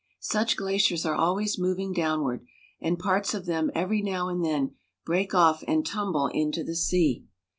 Such glaciers are always moving downward, and parts of them every now and then break off and tumble into the sea.